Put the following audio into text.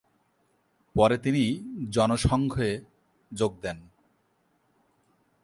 পরে তিনি জন সংঘে যোগ দেন।